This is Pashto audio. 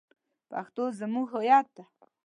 پښتو زمونږ هویت ده